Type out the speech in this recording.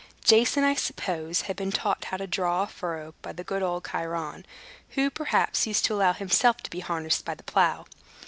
Jason, I suppose, had been taught how to draw a furrow by the good old Chiron, who, perhaps, used to allow himself to be harnessed to the plow.